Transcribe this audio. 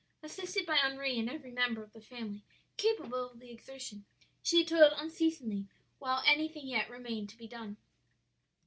Assisted by Henri and every member of the family capable of the exertion, she toiled unceasingly while anything yet remained to be done.